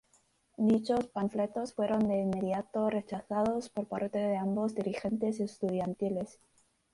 Dichos panfletos fueron de inmediato rechazados por parte de ambos dirigentes estudiantiles.